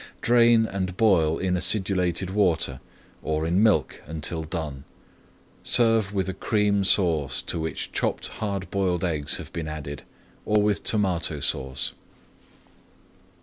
Drain and boil in acidulated water or in milk until done. Serve with a Cream Sauce to which chopped hard boiled eggs have been added, or with Tomato Sauce.